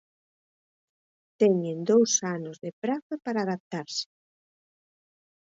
Teñen dous anos de prazo para adaptarse.